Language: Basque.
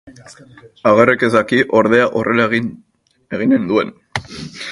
Agerrek ez daki, ordea, horrela eginen duen.